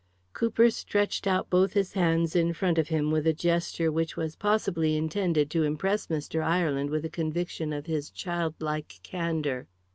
Cooper stretched out both his hands in front of him with a gesture which was possibly intended to impress Mr. Ireland with a conviction of his childlike candour.